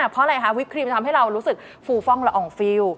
เพราะอะไรคะวิครีมทำให้เรารู้สึกฟูฟ่องละอองฟิล